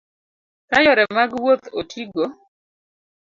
Ka yore mag wuoth otigo